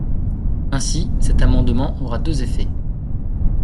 Ainsi, cet amendement aura deux effets.